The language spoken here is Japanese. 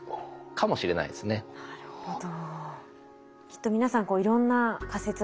なるほど。